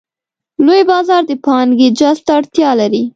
لوی بازار د پانګې جذب ته اړتیا لري.